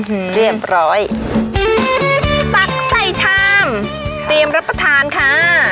อืมเรียบร้อยอืมตักใส่ชามเตรียมรับประทานค่ะ